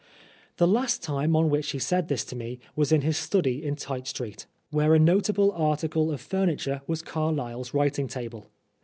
The last time on which he said this to me was in his study in Tite Street, where a notable article of furniture was Carlyle's writing table.